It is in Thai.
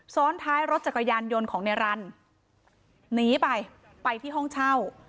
ซ้อนท้ายรถจักรยานยนต์ของในรันหนีไปไปที่ห้องเช่า